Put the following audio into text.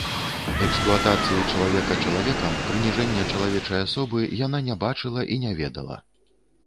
Эксплуатацыі чалавека чалавекам, прыніжэння чалавечай асобы яна не бачыла і не ведала.